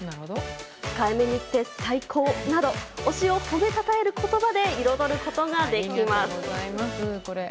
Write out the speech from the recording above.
「控えめに言って最高。」など推しを褒め称える言葉で彩ることができます。